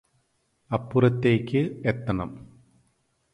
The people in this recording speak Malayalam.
അപ്പുറത്തേയ്ക് എത്തണം